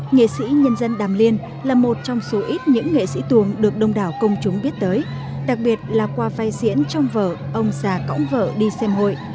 nghệ sĩ nhân dân đàm liên là một trong số ít những nghệ sĩ tuồng được đông đảo công chúng biết tới đặc biệt là qua vai diễn trong vở ông già cõng vợ đi xem hội